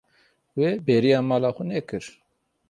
Wê bêriya mala xwe nekir.